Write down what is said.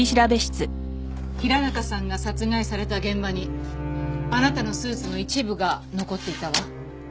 平中さんが殺害された現場にあなたのスーツの一部が残っていたわ。